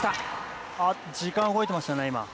時間動いてましたね、今。